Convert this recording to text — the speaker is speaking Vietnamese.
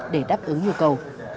để đáp ứng nhu cầu